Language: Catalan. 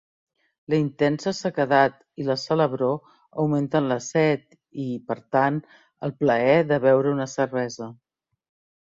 La intensa sequedat i la salabror augmenten la set i, per tant, el plaer de beure una cervesa.